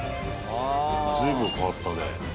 随分変わったね。